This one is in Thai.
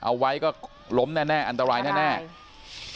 เอาไว้ก็ล้มแน่แน่อันตรายแน่แน่อันตราย